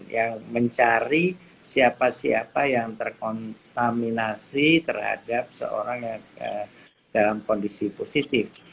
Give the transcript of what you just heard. yang mencari siapa siapa yang terkontaminasi terhadap seorang yang dalam kondisi positif